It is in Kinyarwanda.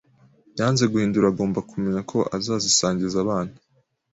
yanze guhindura agomba kumenya ko azazisangiza abana